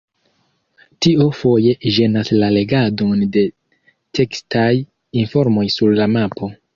Tio foje ĝenas la legadon de tekstaj informoj sur la mapo.